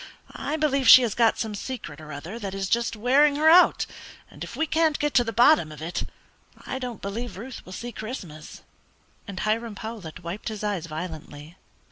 I believe she has got some secret or other that is just wearing her out, and if we can't get to the bottom of it I don't believe Ruth will see Christmas," and Hiram Powlett wiped his eyes violently.